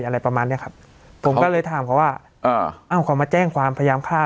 อะไรประมาณเนี้ยครับผมก็เลยถามเขาว่าอ่าเอ้าเขามาแจ้งความพยายามฆ่า